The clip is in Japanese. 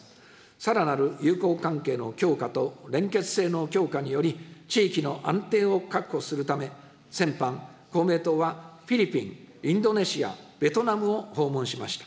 さらなる友好関係の強化と連結性の強化により、地域の安定を確保するため、先般、公明党はフィリピン、インドネシア、ベトナムを訪問しました。